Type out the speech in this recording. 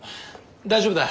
大丈夫だ。